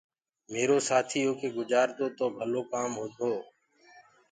ميرو سآٿيٚ هوڪي گُجآردو تو ڀلو ڪآم هونٚدو